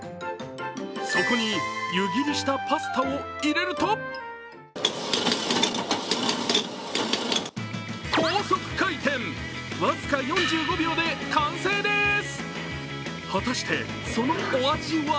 そこに湯切りしたパスタを入れると高速回転、わずか４５秒で完成でーす果たして、そのお味は？